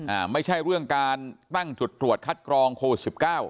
อ้าวไม่ใช่เรื่องการตั้งจุดถวดทัศน์กรองโควส๑๙